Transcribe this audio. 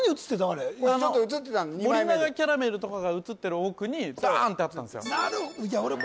あれ映ってたの森永キャラメルとかが映ってる奥にバーンってあったんすよ